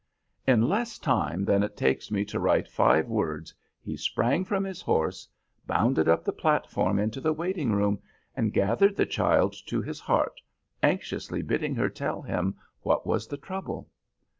In less time than it takes me to write five words he sprang from his horse, bounded up the platform into the waiting room, and gathered the child to his heart, anxiously bidding her tell him what was the trouble.